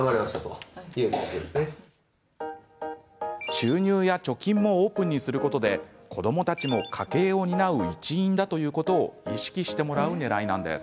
収入や貯金もオープンにすることで子どもたちも家計を担う一員だということを意識してもらう、ねらいなんです。